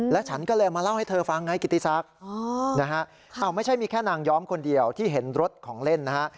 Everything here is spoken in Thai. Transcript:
ฉันก็เลยมาเล่าให้เธอฟังไงกิติศักดิ์นะฮะไม่ใช่มีแค่นางย้อมคนเดียวที่เห็นรถของเล่นนะฮะ